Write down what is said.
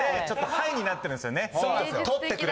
ちょっとハイになってるんですよね。